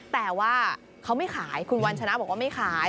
แต่ว่าเขาไม่ขายคุณวัญชนะบอกว่าไม่ขาย